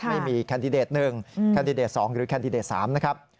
แคนดิเดต๑แคนดิเดต๒หรือแคนดิเดต๓นะครับ